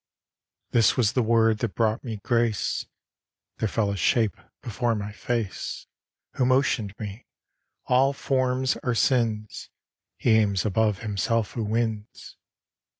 This was the word that brought me grace: There fell a shape before my face, Who motioned me, "All forms are sin's. He aims above himself who wins."